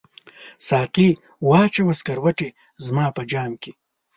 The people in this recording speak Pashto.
ساقي واچوه سکروټي زما په جام کې